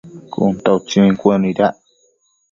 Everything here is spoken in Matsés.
Cun ta utsin cuënuidac